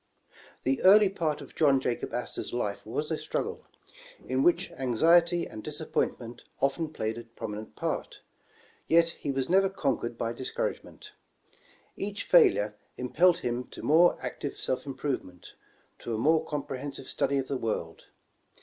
THE early part of John Jacob Astor's life was a struggle, in which anxiety and disappointment often played a prominent part, yet he was never conquered by discouragement. Each failure impelled him to more active self improvement, to a more compre hensive study of the world.